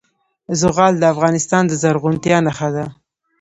زغال د افغانستان د زرغونتیا نښه ده.